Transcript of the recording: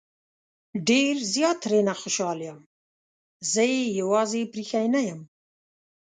ډېر زيات ترې نه خوشحال يم زه يې يوازې پرېښی نه يم